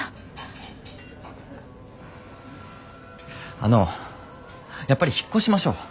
あのやっぱり引っ越しましょう。